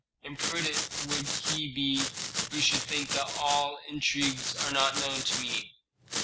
Imprudent would he be who should think that all intrigues are not known to me."